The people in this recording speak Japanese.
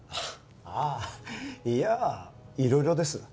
ああいやあいろいろです。